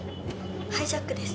ハイジャックです。